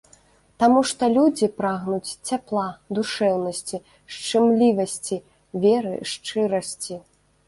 Таму што людзі прагнуць цяпла, душэўнасці, шчымлівасці, веры, шчырасці.